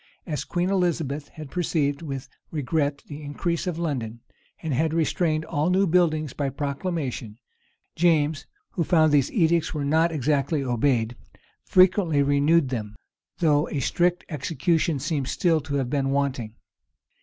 As Queen Elizabeth had perceived with regret the increase of London, and had restrained all new buildings by proclamation, James, who found that these edicts were not exactly obeyed, frequently renewed them; though a strict execution seems still to have been wanting.